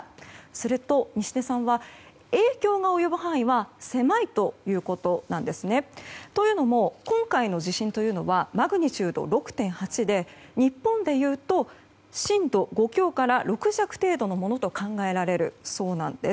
すると、西出さんは影響が及ぶ範囲は狭いということなんですね。というのも今回の地震というのはマグニチュード６．８で日本でいうと震度５強から６弱程度のものと考えられるそうなんです。